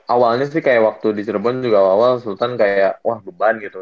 awalnya sih kayak waktu di cirebon juga awal awal sultan kayak wah beban gitu